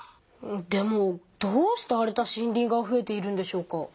でもどうして荒れた森林がふえているんでしょうか？